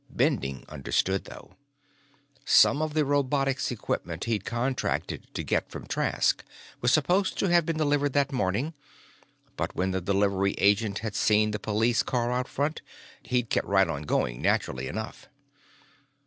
Bending understood, though. Some of the robotics equipment he'd contracted to get from Trask was supposed to have been delivered that morning, but when the delivery agent had seen the police car out front, he'd kept right on going naturally enough.